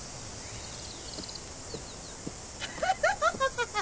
・ハハハハ！